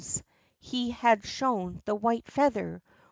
's; he had shown the white feather!